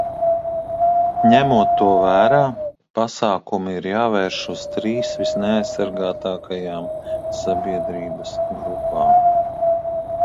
Ņemot to vērā, pasākumi ir jāvērš uz trīs visneaizsargātākajām sabiedrības grupām.